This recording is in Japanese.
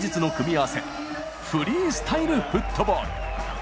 「フリースタイルフットボール」。